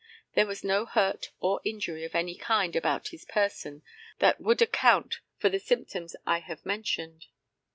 There was no hurt or injury of any kind about his person that would account for the symptoms I have mentioned.